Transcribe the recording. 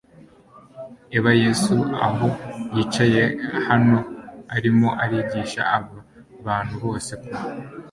eba yesu aho yicaye hano arimo arigisha aba bantu bose ku